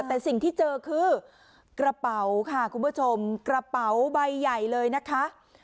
แต่สิ่งที่เจอคือกระเป๋าค่ะคุณผู้ชมกระเป๋าใบใหญ่เลยนะคะ